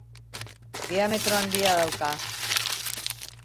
Diametro handia dauka.